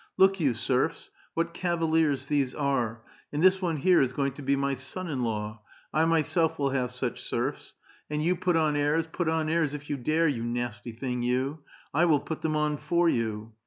" Look you, serfs! what cavaliers these are; and this one here is going to be my son in law. I myself will have such serfs. And you put on airs, put on ajrs if you dare, 3'ou nasty thing, you ! I will i)ut them on for you